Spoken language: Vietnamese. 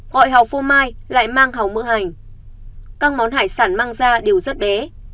gọi hỏng phô mai lại mang hỏng mỡ hành các món hải sản mang ra đều rất bé